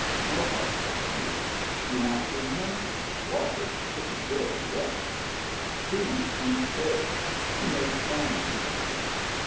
" No hard find. You want see him? Water pretty good, yes. Trees heap big. You make ranch maybe